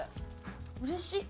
うれしい。